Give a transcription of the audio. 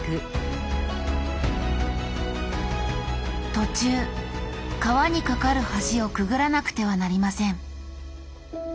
途中川に架かる橋をくぐらなくてはなりません